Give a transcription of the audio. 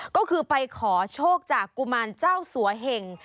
ก็คือไปขอโชคจากกุมารเจ้าสัวเหง